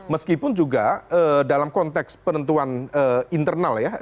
meskipun juga dalam konteks penentuan internal ya